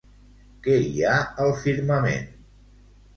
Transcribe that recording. Què hi ha al firmament?